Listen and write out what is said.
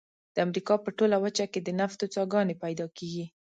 د امریکا په ټوله وچه کې د نفتو څاګانې پیدا کیږي.